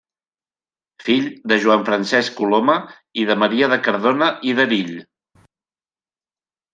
Fill de Joan Francesc Coloma i de Maria de Cardona i d'Erill.